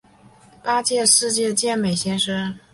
八届世界健美先生。